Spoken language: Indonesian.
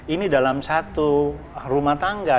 ini dalam satu rumah tangga